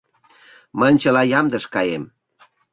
Мынь чыла ямдыш каем.